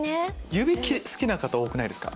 指好きな方多くないですか？